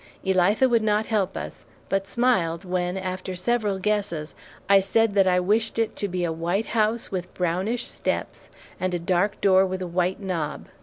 Elitha would not help us, but smiled, when, after several guesses, I said that I wished it to be a white house with brownish steps and a dark door with a white knob.